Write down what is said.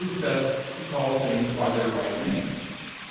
vil is best to call things by their right names.